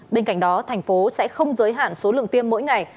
bên cạnh đó thành phố sẽ không giới hạn số lượng tiêm mỗi ngày